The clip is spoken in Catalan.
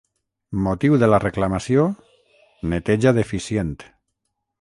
Motiu de la reclamació: neteja deficient.